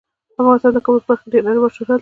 افغانستان د کابل په برخه کې ډیر نړیوال شهرت لري.